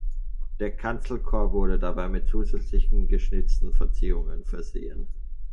Der Kanzelkorb wurde dabei mit zusätzlichen geschnitzten Verzierungen versehen.